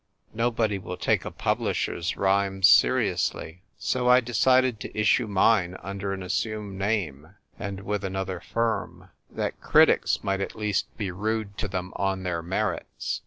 Nobody will take a publisher's rhymes seriously. So I decided to issue mine under an assumed name, and with another firm, that critics might at least be rude to them on their merits.